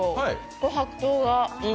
琥珀糖が。